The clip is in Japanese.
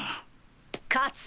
勝つ！